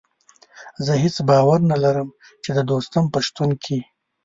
زه هېڅ باور نه لرم چې د دوستم په شتون کې.